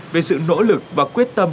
về sự nỗ lực và quyết tâm